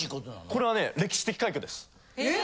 これはね歴史的快挙です。えっ！？